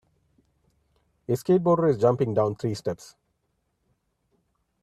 A skateboarder is jumping down three steps.